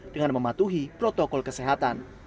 dengan mematuhi protokol kesehatan